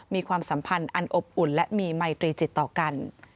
ความสัมพันธ์อันอบอุ่นและมีมัยตรีจิตต่อกัน